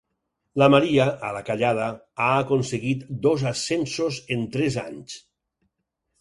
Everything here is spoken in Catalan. La Maria, a la callada, ha aconseguit dos ascensos en tres anys.